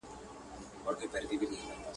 د کرنې وسایل تبر او پلاره دي.